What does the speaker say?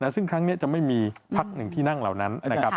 ซึ่งครั้งนี้จะไม่มีพักหนึ่งที่นั่งเหล่านั้นนะครับ